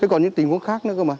còn những tình huống khác nữa cơ mà